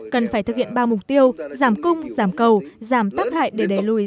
cần phải thực hiện ba mục tiêu giảm cung giảm cầu giảm tắc hại để đẩy lùi